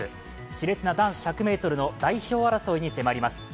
しれつな男子１００ｍの代表争いに迫ります。